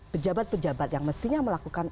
pejabat pejabat yang mestinya melakukan